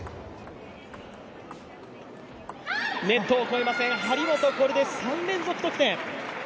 ネットを越えません、これで張本、３連続得点。